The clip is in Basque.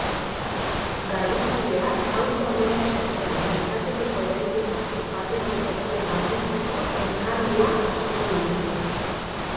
Garbitzaileak auzo aberats batean gertaturiko erailketa bateko tokia garbitzeko enkargua jasoko du.